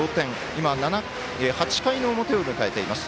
今、８回の表を迎えています。